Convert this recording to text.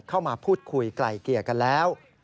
เข้ามาพูดคุยไกล่เกลี่ยกันแล้ว